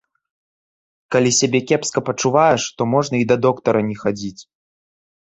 Калі сябе кепска пачуваеш, то можна і да доктара не хадзіць.